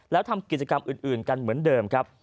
แล้วทำกิจกรรมอื่นกันเหมือนเดิมครับ